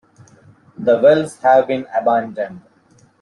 The wells have been abandoned.